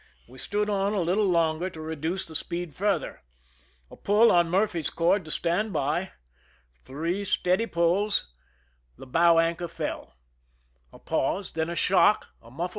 We stood on a little longer to reduce the speed further. A pull on Murphy's cord to stand by,— three steady pulls, 95 THE SINKING OF THE "MERRIMAC? —the bow anchor fell. A pause, then a shock, a mufl9.